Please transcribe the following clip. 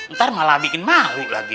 ntar malah bikin mahu lagi